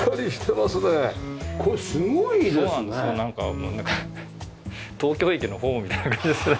もうなんか東京駅のホームみたいな感じですね。